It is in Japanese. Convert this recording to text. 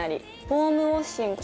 フォームウォッシング